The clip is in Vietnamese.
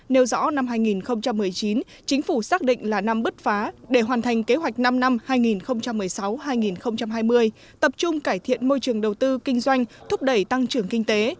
nêu rõ năm hai nghìn một mươi chín chính phủ xác định là năm bứt phá để hoàn thành kế hoạch năm năm hai nghìn một mươi sáu hai nghìn hai mươi tập trung cải thiện môi trường đầu tư kinh doanh thúc đẩy tăng trưởng kinh tế